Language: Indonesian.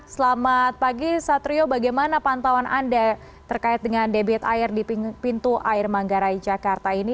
selamat pagi satrio bagaimana pantauan anda terkait dengan debit air di pintu air manggarai jakarta ini